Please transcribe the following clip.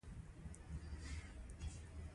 یو په بل پسې سقوط شول